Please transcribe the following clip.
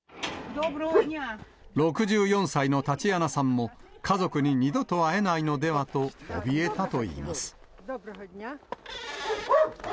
６４歳のタチアナさんも、家族に二度と会えないのではと、おびえたといいます。